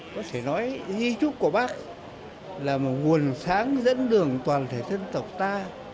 có thể nói di trúc của bác là một nguồn sáng dẫn đường toàn thể dân tộc ta